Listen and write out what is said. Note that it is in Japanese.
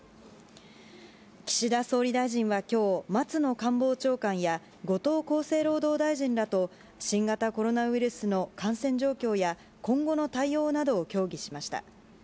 岸田総理大臣は今日松野官房長官や後藤厚生労働大臣らと新型コロナウイルスの感染状況や今後の対応などを協議しました。